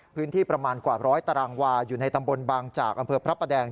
พื้นที่ประมาณกว่าร้อยตารางวาอยู่ในตำบลบางจากอำเภอพระประแดง